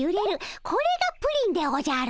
これがプリンでおじゃる。